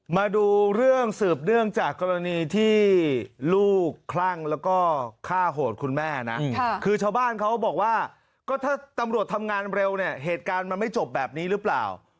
มาดูเรื่องสืบเนื่องจากกรณีที่ลูกคลั่งแล้วก็ฆ่าโหดคุณแม่นะคือชาวบ้านเขาบอกว่าก็ถ้าตำรวจทำงานเร็วเนี่ยเหตุการณ์มันไม่จบแบบนี้หรือเปล่า